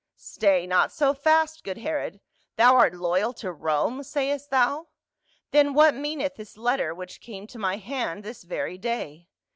" Stay, not so fast, good Herod, thou art loyal to Rome, sayst thou ? Then what meaneth this letter which came to my hand this very day